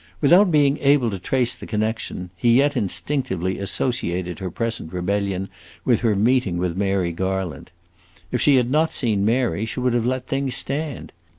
Without being able to trace the connection, he yet instinctively associated her present rebellion with her meeting with Mary Garland. If she had not seen Mary, she would have let things stand.